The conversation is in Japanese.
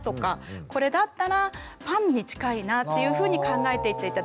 これだったらパンに近いなっていうふうに考えていって頂いて。